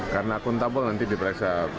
karena akuntabel nanti diperiksa